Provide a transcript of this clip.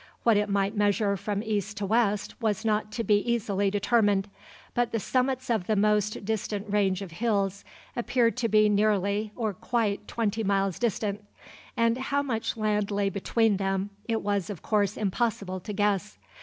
What it might measure from east to west was not to be easily determined, but the summits of the most distant range of hills appeared to be nearly or quite twenty miles distant; and how much land lay beyond them it was of course impossible to guess.